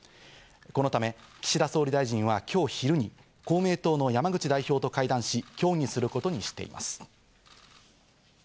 このため岸田総理大臣は今日昼に公明党の山口代表と会談し、協議することにしています。